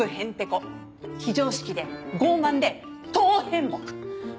非常識で傲慢で唐変木。